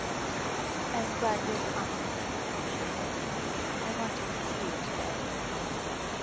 'I am glad you have come,' she said; 'I wanted to see you to day.